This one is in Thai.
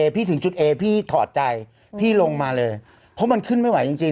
เพราะมันขึ้นไม่ไหวจริง